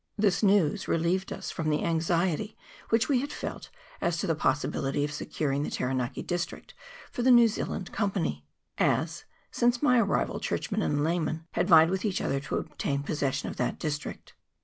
This news relieved us from the anxiety which we had felt as to the possibility of securing the Taranaki district for the New Zealand Com pany ; as since my arrival churchmen and laymen had vied with each other to obtain possession of that district.